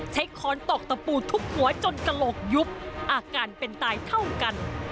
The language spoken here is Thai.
ค้อนตอกตะปูทุบหัวจนกระโหลกยุบอาการเป็นตายเท่ากัน